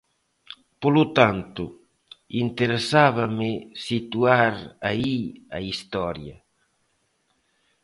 Polo tanto, interesábame situar aí a historia.